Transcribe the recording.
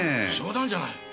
冗談じゃない！